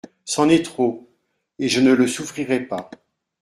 C'en est trop, et je ne le souffrirai pas.